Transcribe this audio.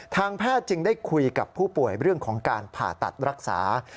ทางแพทย์จึงได้คุยกับผู้ป่วยเรื่องของการผ่าตัดรักษา